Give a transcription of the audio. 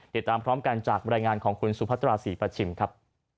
ติดตามพร้อมกันจากบรรยายงานของคุณสุพัตราศรีประชิมครับ